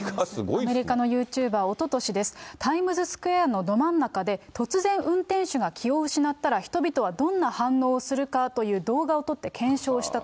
アメリカのユーチューバー、おととしです、タイムズスクエアのど真ん中で、突然運転手が気を失ったら、人々はどんな反応をするかという動画を撮って検証したと。